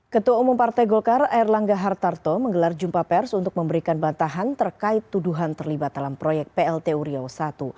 ketua umum partai golkar air langga hartarto menggelar jumpa pers untuk memberikan bantahan terkait tuduhan terlibat dalam proyek plt uriau i